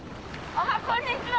あこんにちは！